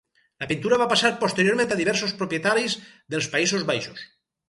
La pintura va passar posteriorment a diversos propietaris dels Països Baixos.